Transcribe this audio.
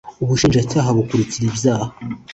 Ubushinjacyaha bukurikirana ibyaha